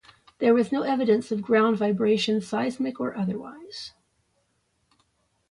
There was no evidence of ground vibration, seismic or otherwise.